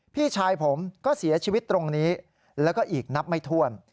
พี่ชายผมก็เสียชีวิตตรงนี้แล้วก็อีกนับไม่ถ้วน